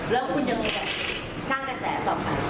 แล้วคุณยังจะสร้างกระแสต่อไป